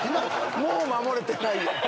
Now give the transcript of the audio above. もう守れてないよ。